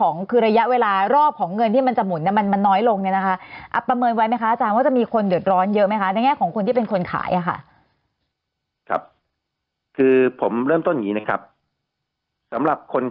ออกรวรรณที่ดูแลในระบบปิดเฉพาะแต่มีการออกรวรรณที่ดูแลในระบบปิดเฉพาะ